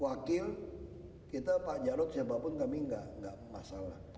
wakil kita pak jarod siapapun kami tidak masalah